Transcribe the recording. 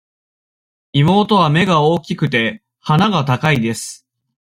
妹は目が大きくて、鼻が高いです。